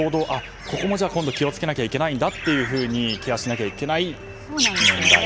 ここも今度気をつけなきゃいけないんだというふうにケアしなきゃいけない年代ですね。